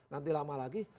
nanti lama lagi